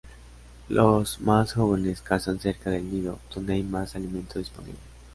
Los más jóvenes cazan cerca del nido, donde hay más alimento disponible.